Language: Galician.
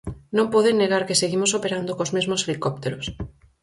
Non poden negar que seguimos operando cos mesmos helicópteros.